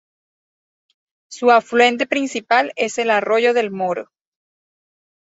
Su afluente principal es el Arroyo del Moro.